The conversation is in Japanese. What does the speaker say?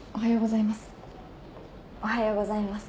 おはようございます。